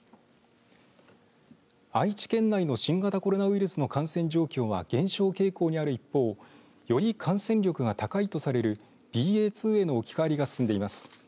愛知県内の新型コロナウイルスの感染状況は減少傾向にある一方より感染力が高いとされるＢＡ．２への置き換わりが進んでいます。